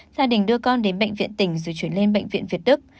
gia đình đưa con đến bệnh viện tỉnh rồi chuyển lên bệnh viện việt đức